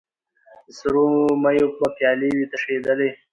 د سرو میو به پیالې وې تشېدلې